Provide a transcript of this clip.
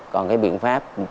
còn cái biện pháp